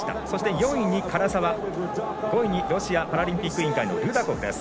４位に唐澤、５位にロシアパラリンピック委員会のルダコフ。